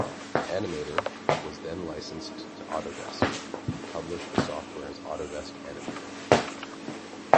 "Animator" was then licensed to Autodesk, who published the software as "Autodesk Animator".